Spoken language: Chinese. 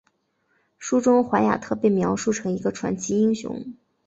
书中怀亚特被描述成为一个传奇英雄。